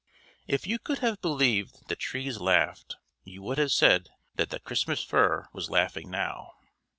If you could have believed that trees laughed, you would have said that the Christmas Fir was laughing now.